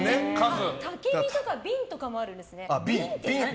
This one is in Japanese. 焚き火とか瓶とかもあるんですね。